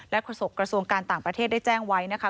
โฆษกระทรวงการต่างประเทศได้แจ้งไว้นะคะ